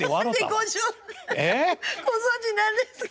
何でご存じなんですか？